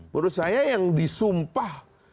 menurut saya yang disumpah